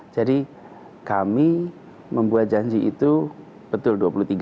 jadi kami membuat janji itu betul dua puluh tiga